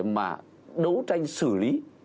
mà đấu tranh xử lý